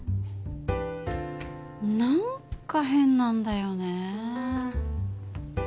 なんか変なんだよね。